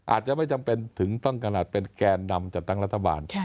อาจจะไม่จำเป็นถึงต้องขนาดเป็นแกนนำจัดตั้งรัฐบาล